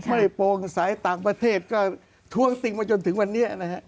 ไม่โปรงสายต่างประเทศก็ทวงติงมาจนถึงวันนี้